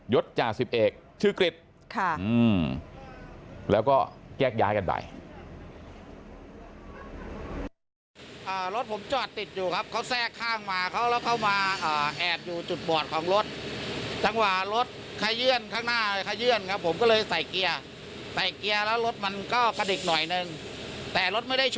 ยดจาก๑๑ชื่อกฤทธิ์แล้วก็แกล้งย้ายกันได้